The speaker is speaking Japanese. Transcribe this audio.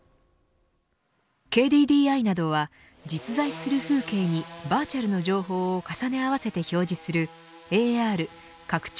ＫＤＤＩなどは実在する風景にバーチャルの情報を重ね合わせて表示するＡＲ拡張